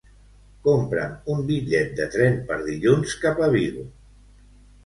Compra'm un bitllet de tren per dilluns cap a Vigo.